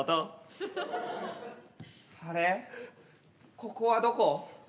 ここはどこ？